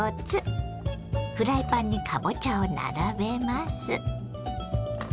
フライパンにかぼちゃを並べます。